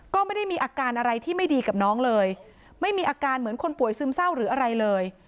ก็ไม่ได้มีอาการอะไรที่ไม่ดีกับน้องเลยไม่มีอาการเหมือนคนป่วยซึมเศร้าหรืออะไรเลย